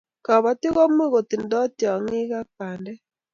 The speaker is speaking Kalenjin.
kabatik ko much kotindai tiangik ak bandek